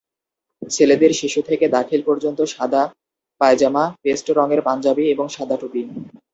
ছেলেদের শিশু থেকে দাখিল পর্যন্ত সাদা পায়জামা, পেস্ট রঙের পাঞ্জাবি এবং সাদা টুপি।